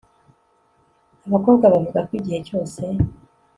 abakobwa bavuga ko igihe cyose